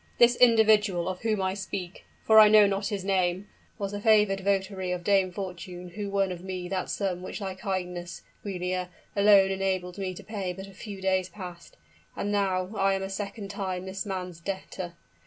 This individual of whom I speak for I know not his name was the favored votary of Dame Fortune who won of me that sum which thy kindness, Giulia, alone enabled me to pay but a few days past. And now am I a second time this man's debtor.